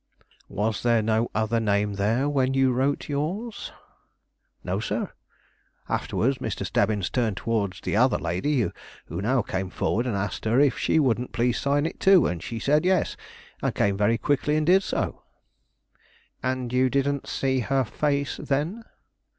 "Was there no other name there when you wrote yours?" "No, sir. Afterwards Mr. Stebbins turned towards the other lady, who now came forward, and asked her if she wouldn't please sign it, too; and she said, 'yes,' and came very quickly and did so." "And didn't you see her face then?"